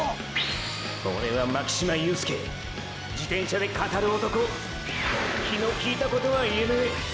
オレは巻島裕介自転車で語る男気のきいたことは言えねェ